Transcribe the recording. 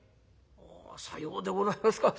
「さようでございますか。